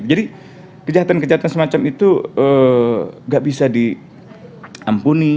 jadi kejahatan kejahatan semacam itu gak bisa diampuni